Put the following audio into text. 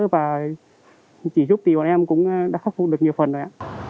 và chỉ giúp tìm em cũng đã khắc phục được nhiều phần rồi ạ